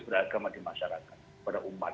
beragama di masyarakat pada umat